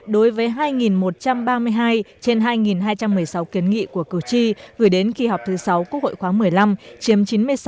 đối với hai một trăm ba mươi hai trên hai hai trăm một mươi sáu kiến nghị của cử tri gửi đến kỳ họp thứ sáu quốc hội khoáng một mươi năm chiếm chín mươi sáu sáu